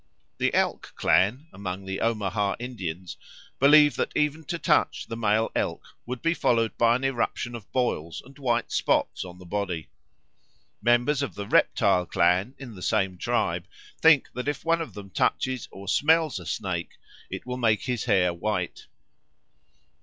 The Elk clan, among the Omaha Indians, believe that even to touch the male elk would be followed by an eruption of boils and white spots on the body. Members of the Reptile clan in the same tribe think that if one of them touches or smells a snake, it will make his hair white.